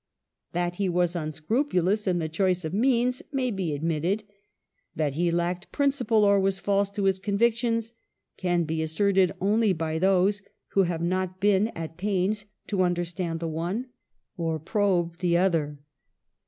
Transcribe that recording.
That he was unscrupulous in the choice of means may be admitted ; that he lacked principle, or was false to his convictions, can be asserted only by those who have not been at pains to under stand "the one or probe the other.